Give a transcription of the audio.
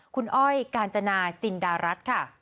คุณอ้อยกาญจนาจินดารัฐค่ะ